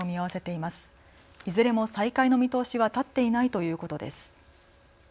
いずれも再開の見通しは立っていないということです。